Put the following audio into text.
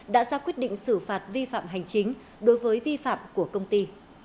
đã ra quyết định xử phạt vi phạm hành chính đối với vi phạm của công ty